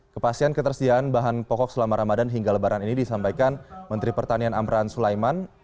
kepastian ketersediaan bahan pokok selama ramadan hingga lebaran ini disampaikan menteri pertanian amran sulaiman